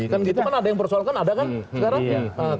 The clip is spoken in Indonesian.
kan gitu kan ada yang persoalkan ada kan sekarang